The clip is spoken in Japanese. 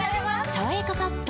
「さわやかパッド」